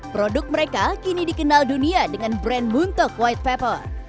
produk mereka kini dikenal dunia dengan brand buntuk white pepper